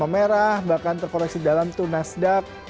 merah bahkan terkoreksi dalam tuh nasdaq